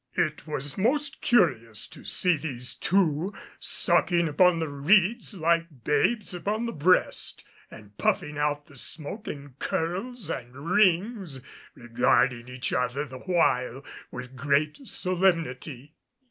It was most curious to see these two sucking upon the reeds like babes upon the breast, and puffing out the smoke in curls and rings, regarding each other the while with great solemnity.